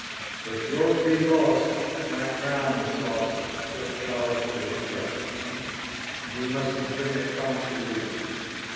"If York be lost, my crown is lost" Wrote Charles to this trusted chief, And he must bring it prompt relief.